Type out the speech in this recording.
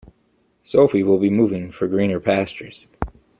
Sophie will be moving for greener pastures.